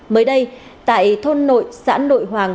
mới đây tại thôn nội xã nội hoàng